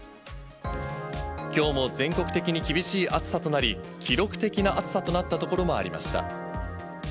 きょうも全国的に厳しい暑さとなり、記録的な暑さとなった所もありました。